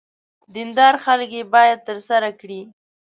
دیندار خلک یې باید ترسره کړي.